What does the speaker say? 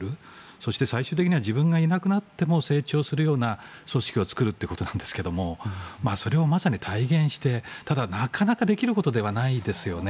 そして最終的には自分がいなくなっても成長する組織を作るということなんですがそれをまさに体現してただ、なかなかできることではないですよね。